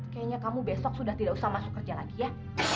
kayaknya kamu besok sudah tidak usah masuk kerja lagi ya